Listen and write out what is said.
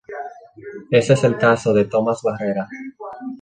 Ese es el caso de Tomás Barrera.